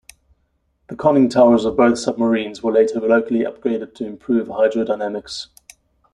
The conning towers of both submarines were later locally upgraded to improve hydrodynamics.